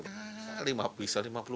nah bisa lima puluh persen itu